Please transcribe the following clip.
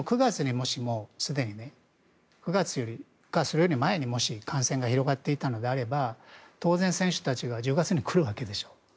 でも９月やそれよりも前にもしも感染が広がっていたのであれば当然、選手たちが１０月に来るわけでしょ。